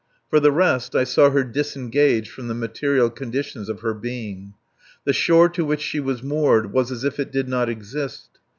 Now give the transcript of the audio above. For the rest, I saw her disengaged from the material conditions of her being. The shore to which she was moored was as if it did not exist.